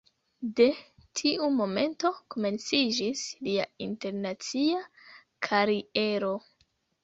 De tiu momento komenciĝis lia internacia kariero.